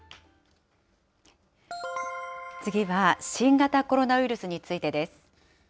次は、新型コロナウイルスについてです。